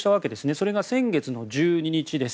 それが先月１２日です。